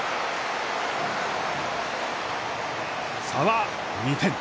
差は２点。